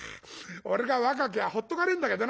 俺が若きゃほっとかねえんだけどな」。